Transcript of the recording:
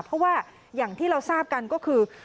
เพราะว่าอย่างที่เราทราบกันก็คือ